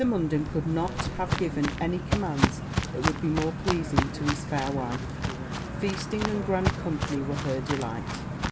Munden could not have given any commands that would be more pleasing to his fair wife: feasting and grand company were her delight.